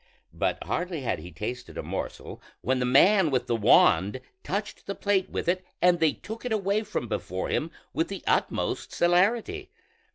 But hardly had he tasted a morsel when the man with the wand touched the plate with it, and they took it away from before him with the utmost celerity.